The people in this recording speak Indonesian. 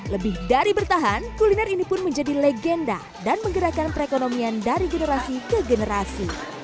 lebih dari bertahan kuliner ini pun menjadi legenda dan menggerakkan perekonomian dari generasi ke generasi